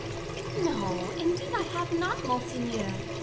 No, indeed, I have not, monseigneur.